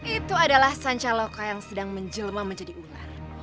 itu adalah sancaloka yang sedang menjelma menjadi ular